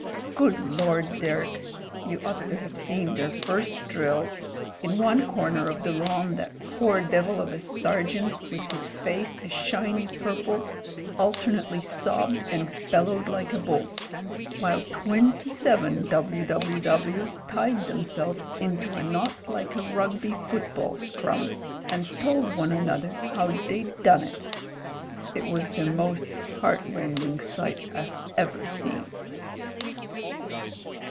"Good Lord, Derek — ^you ought to have seen their first drill. In one comer of the lawn that poor devil of a sergeant with his face a shiny purple alternately sobbed and bellowed like a bull — while twenty seven W.W.W.'s tied themselves into a knot like a Rugby football scrum, and told one another how they'd done JAMES HENRY 219 it. It was the most heart rending sight I've ever seen."